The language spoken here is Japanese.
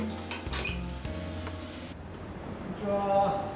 こんにちは。